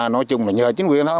nói chung là nhờ chính quyền thôi